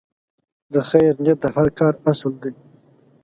د خیر نیت د هر کار اصل دی.